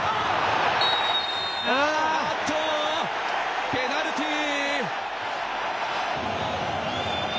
あーっと、ペナルティー。